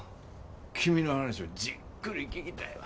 君の話をじっくり聞きたいわ。